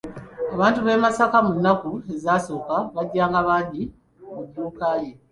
Abantu b'e masaka mu nnaku ezasooka bajjanga bangi mu dduuka ye.